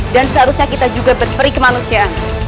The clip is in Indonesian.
dan seharusnya kita juga berperik kemanusiaan